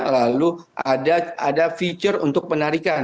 lalu ada feature untuk penarikan